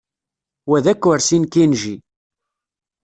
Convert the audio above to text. Wa d akersi n Kenji.